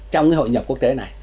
trong cái hội nhập quốc tế này